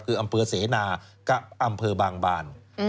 คืออำเภอเสนากับอำเภอบางบาน